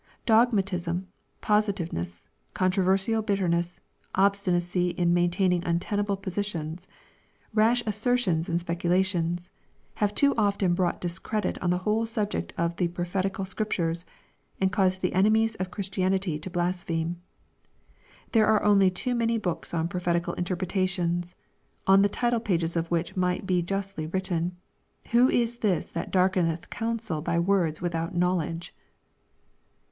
Dogmatism, posi tiveness, controversial bitterness, obstinacy in maintain ing untenable positions, rash assertions and speculations, have too often brought discredit on the whole subject of the prophetical Scriptures, and caused the enemies of Christianity to blaspheme. There are only too many books on prophetical interpretation, on the title pages of which might be justly written, " Who is this that darkeneth counsel by words without knowledge